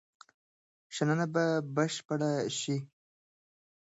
شننه به بشپړه شي.